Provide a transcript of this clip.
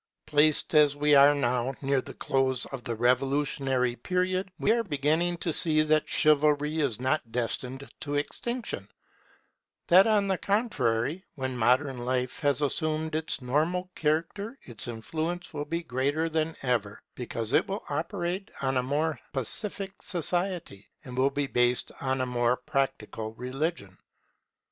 Placed as we are now, near the close of the revolutionary period, we are beginning to see that Chivalry is not destined to extinction; that, on the contrary, when modern life has assumed its normal character, its influence will be greater than ever, because it will operate on a more pacific society, and will be based on a more practical religion.